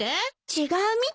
違うみたい。